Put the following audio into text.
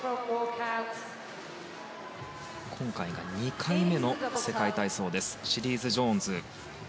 今回が２回目の世界体操シリーズ・ジョーンズ。